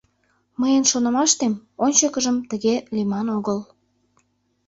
Мыйын шонымаштем, ончыкыжым тыге лийман огыл.